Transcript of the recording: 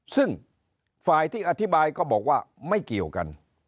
ซึ่งฝ่ายที่อธิบายก็บอกว่าไม่เกี่ยวกัน